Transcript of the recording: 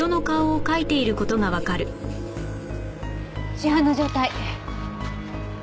死斑の状態。